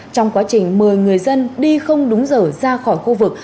trong quá trình mời người dân đi không đúng giờ ra khỏi khu vực